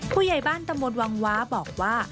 ผู้ใหญ่บ้านตำบลวังวาบอกว่า